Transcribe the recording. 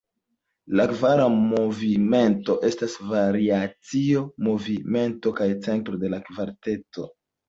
La kvara movimento estas variacio-movimento kaj centro de la kvarteto.